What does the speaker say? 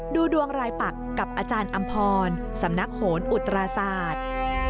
ดูดวงรายปักกับอาจารย์อำพรสำนักโหนอุตราศาสตร์